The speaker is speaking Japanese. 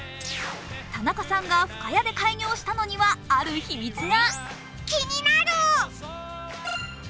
田中さんが深谷で開業したのには、ある秘密が。